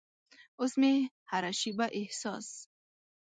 اوس مې هره شیبه احساس